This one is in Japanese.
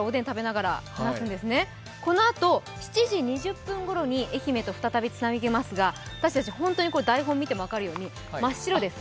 このあと７時２０分ごろに愛媛と再びつなぎますが私たち、本当に台本見ても分かるとおり、真っ白です。